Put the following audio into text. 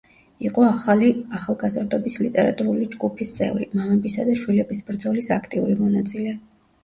იყო „ახალი ახალგაზრდობის“ ლიტერატურული ჯგუფის წევრი, „მამებისა“ და „შვილების“ ბრძოლის აქტიური მონაწილე.